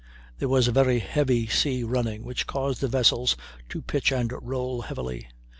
There was a very heavy sea running, which caused the vessels to pitch and roll heavily.